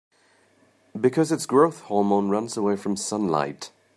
Because its growth hormone runs away from sunlight.